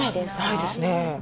ないですね